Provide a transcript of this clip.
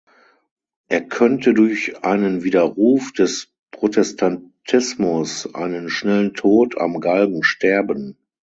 Er könnte durch einen Widerruf des Protestantismus einen schnellen Tod am Galgen sterben.